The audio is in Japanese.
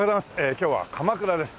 今日は鎌倉です。